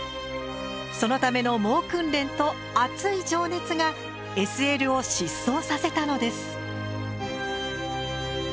そのための猛訓練と熱い情熱がＳＬを疾走させたのです。